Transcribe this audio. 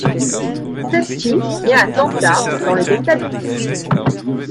Sedki naît à Tanta dans le Delta du Nil.